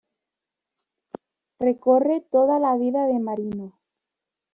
Recorre toda la vida de Marino.